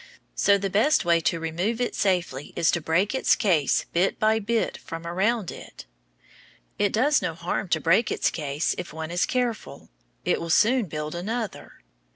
So the best way to remove it safely is to break its case bit by bit from around it. It does no harm to break its case if one is careful. It will soon build another.